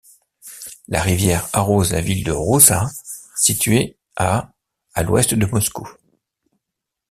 La rivière arrose la ville de Rouza, située à à l'ouest de Moscou.